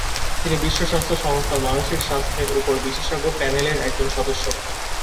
তিনি বিশ্ব স্বাস্থ্য সংস্থার মানসিক স্বাস্থ্যের উপর বিশেষজ্ঞ প্যানেলের একজন সদস্য।